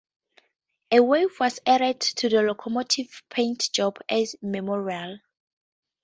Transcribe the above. A wave was added to the locomotive's paint job as a memorial.